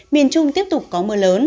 miền trung tiếp tục có mưa lớn